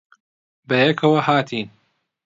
بەیەکەوە ھاتین.